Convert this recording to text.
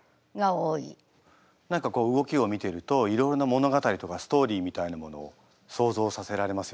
何かこう動きを見てるといろいろな物語とかストーリーみたいなものを想像させられますよね。